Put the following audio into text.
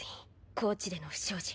高知での不祥事